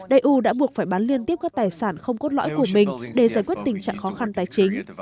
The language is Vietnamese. eu đã buộc phải bán liên tiếp các tài sản không cốt lõi của mình để giải quyết tình trạng khó khăn tài chính